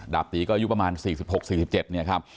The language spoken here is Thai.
ตีก็อายุประมาณ๔๖๔๗เนี่ยครับ